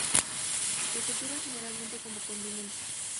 Se cultiva generalmente como condimento.